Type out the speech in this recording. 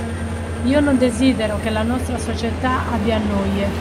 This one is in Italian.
Io non desidero che la nostra Società abbia noie